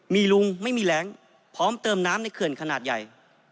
มีลุงไม่มีแรงพร้อมเติมน้ำในเขื่อนขนาดใหญ่